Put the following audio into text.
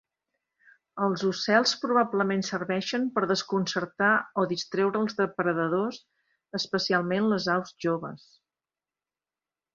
Els ocels probablement serveixen per desconcertar o distreure els depredadors, especialment les aus joves.